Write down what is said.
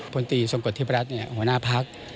พลตีสงกติปรัชน์เนี่ยหัวหน้าพลักษณ์